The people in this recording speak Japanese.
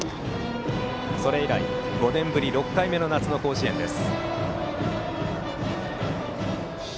それ以来、５年ぶり６回目の夏の甲子園です。